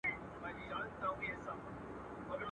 کرنه د خدای نعمت دی.